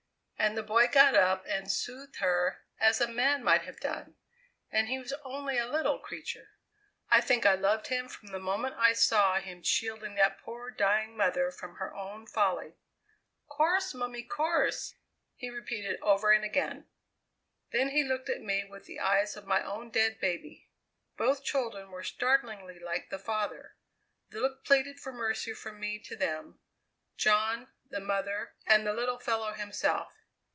And the boy got up and soothed her as a man might have done, and he was only a little creature. I think I loved him from the moment I saw him shielding that poor, dying mother from her own folly. 'Course, mummy, course!' he repeated over and again. Then he looked at me with the eyes of my own dead baby. Both children were startlingly like the father. The look pleaded for mercy from me to them John, the mother, and the little fellow himself.